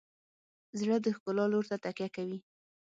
زړه د ښکلا لور ته تکیه کوي.